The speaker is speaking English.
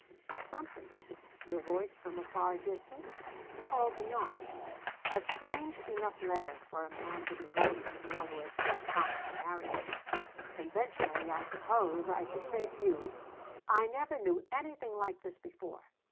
But something your voice from a far distance? called me on. "A strange enough letter for a man to be writing the girl who has just promised to marry him! Conventionally, I suppose, I should say to you: 'I never knew anything like this before.'